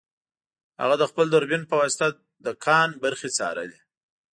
هغه د خپل دوربین په واسطه د کان برخې څارلې